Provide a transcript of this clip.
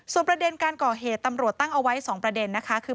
ประเด็นการก่อเหตุตำรวจตั้งเอาไว้๒ประเด็นนะคะคือ